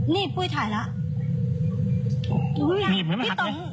นิบถ่ายแล้ว